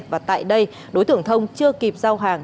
và tại đây đối tượng thông chưa kịp giao hàng